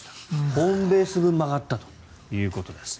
ホームベース分曲がったということです。